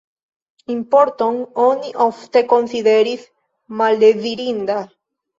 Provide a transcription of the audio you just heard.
Importon oni ofte konsideris maldezirinda.